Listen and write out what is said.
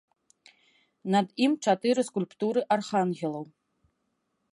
Над ім чатыры скульптуры архангелаў.